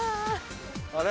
あれ？